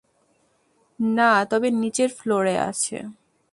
না, তবে নিচের ফ্লোরে আছে।